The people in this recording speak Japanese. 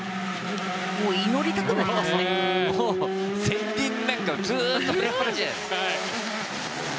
祈りたくなりますね。